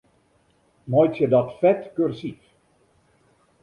Meitsje dat fet kursyf.